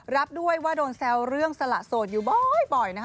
รับด้วยว่าโดนแซวเรื่องสละโสดอยู่บ่อยนะคะ